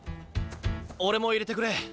俺も入れてくれ。